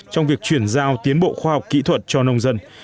trong việc chuyển giao tiến bộ khoa học kỹ thuật cho nông dân